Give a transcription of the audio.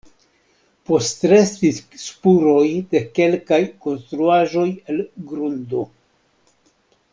Postrestis spuroj de kelkaj konstruaĵoj el grundo.